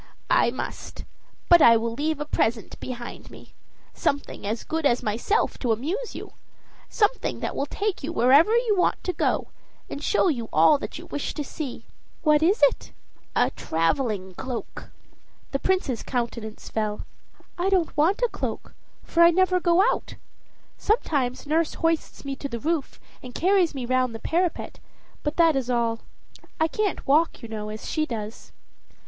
"I must; but I will leave a present behind me, something as good as myself to amuse you, something that will take you wherever you want to go, and show you all that you wish to see." "What is it?" "A traveling cloak." The Prince's countenance fell. "I don't want a cloak, for I never go out. Sometimes nurse hoists me on to the roof, and carries me round by the parapet; but that is all. I can't walk, you know, as she does."